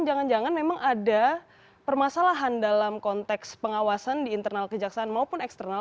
jangan jangan memang ada permasalahan dalam konteks pengawasan di internal kejaksaan maupun eksternal